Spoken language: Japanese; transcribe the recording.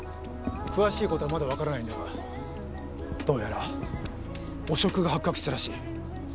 詳しい事はまだわからないんだがどうやら汚職が発覚したらしい。